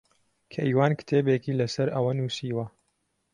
کەیوان کتێبێکی لەسەر ئەوە نووسیوە.